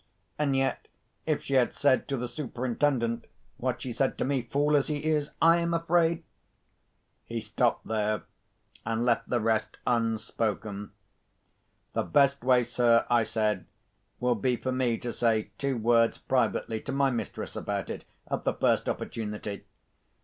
"And yet if she had said to the Superintendent what she said to me, fool as he is, I'm afraid——" He stopped there, and left the rest unspoken. "The best way, sir," I said, "will be for me to say two words privately to my mistress about it at the first opportunity.